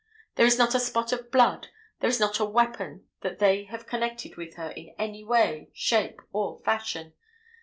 There is not a spot of blood, there is not a weapon that they have connected with her in any way, shape or fashion.